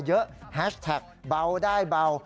แฮชแท็กเบาได้เบา